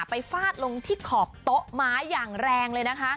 ฟาดลงที่ขอบโต๊ะม้าอย่างแรงเลยนะคะ